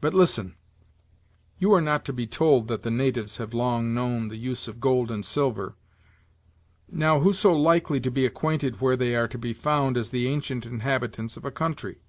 But listen: you are not to be told that the natives have long known the use of gold and silver; now who so likely to be acquainted where they are to be found as the ancient inhabitants of a country?